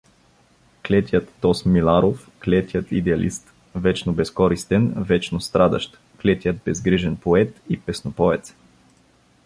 Клетият тоз Миларов, клетият идеалист, вечно безкористен, вечно страдащ, клетият безгрижен поет и песнопоец.